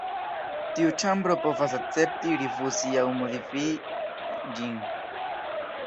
Tiu ĉambro povas akcepti, rifuzi aŭ modifi ĝin.